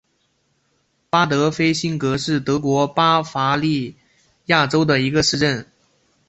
巴德菲辛格是德国巴伐利亚州的一个市镇。